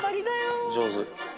上手。